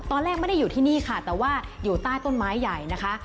ตอนแรกไม่ได้อยู่ที่นี่ค่ะแต่ว่าอยู่ใต้ต้นไม้ใหญ่นะคะ